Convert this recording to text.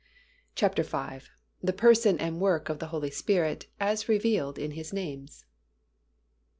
CHAPTER V. THE PERSON AND WORK OF THE HOLY SPIRIT AS REVEALED IN HIS NAMES.